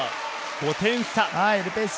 ５点差。